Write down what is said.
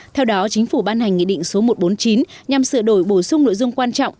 theo đó chính phủ ban hành nghị định số một trăm bốn mươi chín nhằm sửa đổi bổ sung nội dung quan trọng